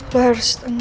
lo harus tenang